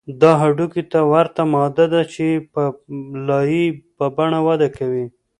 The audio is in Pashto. دا هډوکي ته ورته ماده ده چې په لایې په بڼه وده کوي